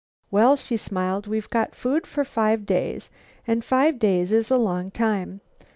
Well," she smiled, "we've got food for five days, and five days is a long time.